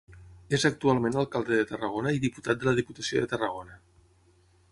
És actualment Alcalde de Tarragona i diputat de la Diputació de Tarragona.